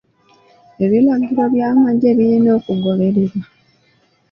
Ebiragiro by'amagye birina okugobererwa.